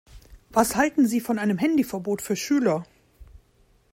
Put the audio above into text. Was halten Sie von einem Handyverbot für Schüler?